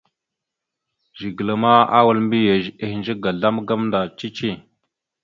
Zigəla ma awal mbiyez ehədze ga azlam gamənda cici.